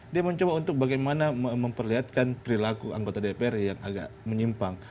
dia mencoba untuk bagaimana memperlihatkan perilaku anggota dpr yang agak menyimpang